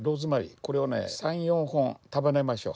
これをね３４本束ねましょう。